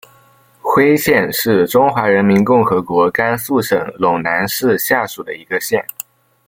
徽县是中华人民共和国甘肃省陇南市下属的一个县。